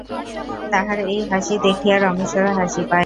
তাহার এই হাসি দেখিয়া রমেশেরও হাসি পায়।